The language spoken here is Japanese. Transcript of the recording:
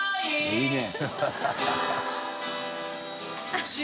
いいね。